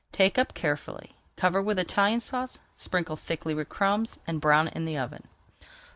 Take up carefully, cover with Italian Sauce, sprinkle thickly with crumbs, and brown in the oven.